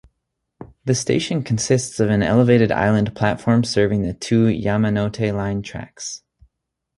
The station consists of an elevated island platform serving the two Yamanote Line tracks.